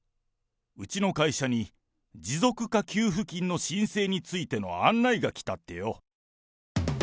うちの会社に持続化給付金の申請についての案内が来たってよ。